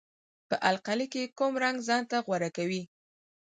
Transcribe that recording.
په القلي کې کوم رنګ ځانته غوره کوي؟